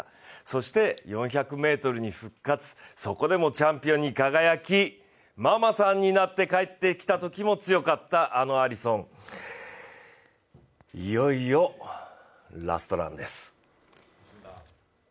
そして４００ｍに復活、そこでもチャンピオンに輝き、ママさんになって帰ってきたときも強かったあのアリソン、いよいよラストランです。